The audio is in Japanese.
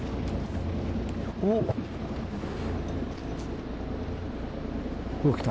おっ来た。